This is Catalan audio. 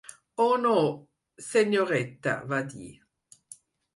"Oh, no, senyoreta", va dir.